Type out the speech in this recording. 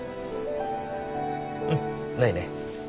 うんないね。